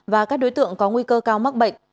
và các đối tượng có nguy cơ cao mắc bệnh